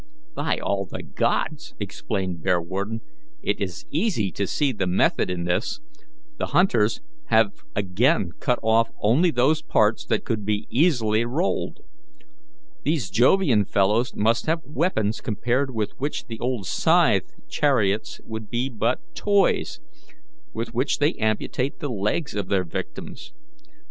"By all the gods!" exclaimed Bearwarden, "it is easy to see the method in this; the hunters have again cut off only those parts that could be easily rolled. These Jovian fellows must have weapons compared with which the old scythe chariots would be but toys, with which they amputate the legs of their victims.